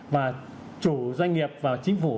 và chủ doanh nghiệp và chính phủ